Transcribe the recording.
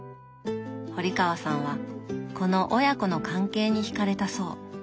堀川さんはこの親子の関係にひかれたそう。